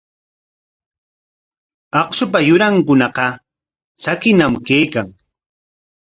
Akshupa yurankunaqa tsakiñam kaykan.